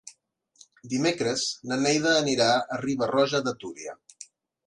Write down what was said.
Dimecres na Neida anirà a Riba-roja de Túria.